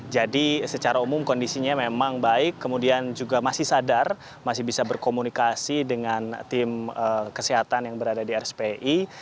jadi secara umum kondisinya memang baik kemudian juga masih sadar masih bisa berkomunikasi dengan tim kesehatan yang berada di rspi